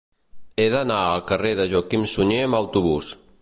He d'anar al carrer de Joaquim Sunyer amb autobús.